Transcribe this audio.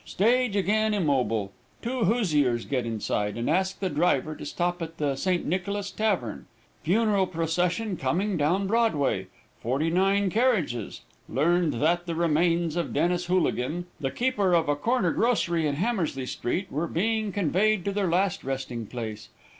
Stage again immobile. Two Hoosiers get inside, and ask the driver to stop at the St. Nicholas Tavern. Funeral procession coming down Broadway. Forty nine carriages. Learned that the remains of Dennis Hooligan, the keeper of a corner grocery in Hammersley street, were being conveyed to their last resting place.